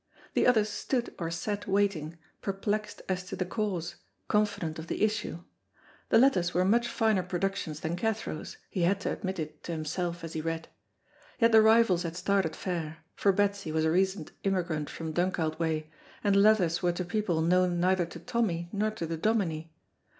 The others stood or sat waiting, perplexed as to the cause, confident of the issue. The letters were much finer productions than Cathro's, he had to admit it to himself as he read. Yet the rivals had started fair, for Betsy was a recent immigrant from Dunkeld way, and the letters were to people known neither to Tommy nor to the Dominie.